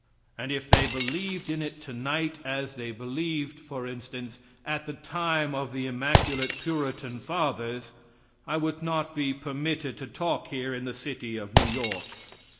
And if they believed in it tonight as they believed, for instance, at the time of the immaculate Puritan fathers, I would not be permitted to talk here in the city of New York.